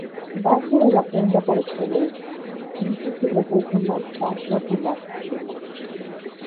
Base de la prenda por excelencia, hizo su regreso más "fashion" y más "chic".